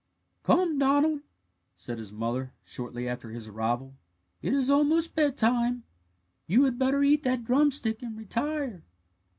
"Come, Donald," said his mother, shortly after his arrival, "it is almost bedtime; you had better eat that drumstick and retire."